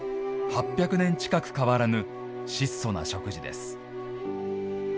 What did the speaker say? ８００年近く変わらぬ質素な食事です。